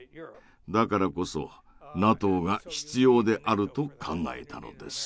だからこそＮＡＴＯが必要であると考えたのです。